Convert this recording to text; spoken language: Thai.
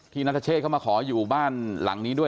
นัทเชษเข้ามาขออยู่บ้านหลังนี้ด้วย